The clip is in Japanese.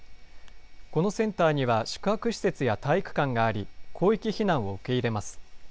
このセンターには宿泊施設や体育館があり、広域避難を受け入れます。